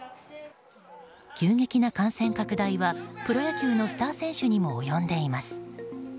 急激な感染拡大はプロ野球のスター選手にも及んでいます。